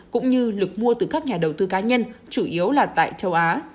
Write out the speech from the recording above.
cũng như lực mua từ các nhà đầu tư cá nhân chủ yếu là tại châu á